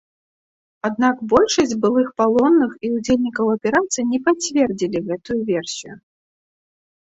Аднак большасць былых палонных і ўдзельнікаў аперацыі не пацвердзілі гэтую версію.